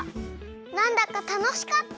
なんだかたのしかった！